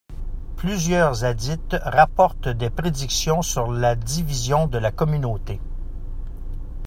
Plusieurs Hadiths rapportent des prédictions sur la division de la communauté.